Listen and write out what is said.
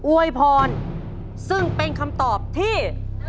วยพรซึ่งเป็นคำตอบที่